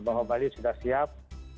bahwa bali sudah siap